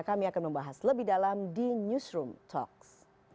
kami akan membahas lebih dalam di newsroom talks